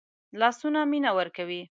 لاسونه مینه ورکوي